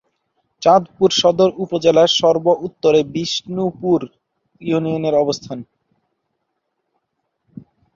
চাঁদপুর সদর উপজেলার সর্ব-উত্তরে বিষ্ণুপুর ইউনিয়নের অবস্থান।